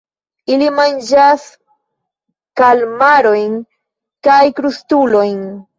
Ili manĝas kalmarojn kaj krustulojn.